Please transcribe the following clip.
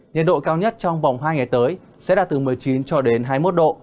nhiệt độ cao nhất trong vòng hai ngày tới sẽ là từ một mươi chín hai mươi một độ